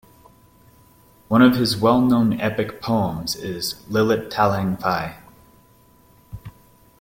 One of his well-known epic poems is "Lilit Taleng Phai".